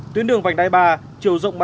tuyến đường vành đai ba chiều rộng